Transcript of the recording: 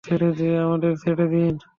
আমাদের ছেড়ে দিন।